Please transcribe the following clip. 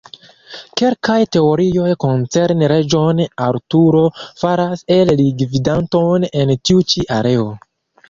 Kelkaj teorioj koncerne Reĝon Arturo faras el li gvidanton en tiu ĉi areo.